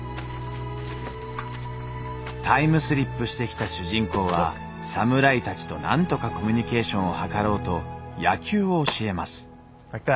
タイムスリップしてきた主人公は侍たちとなんとかコミュニケーションを図ろうと野球を教えます。